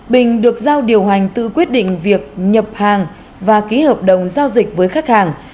bình được giao điều hành tự quyết định việc nhập hàng và ký hợp đồng giao dịch với khách hàng